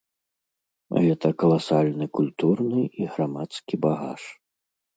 Гэта каласальны культурны і грамадскі багаж.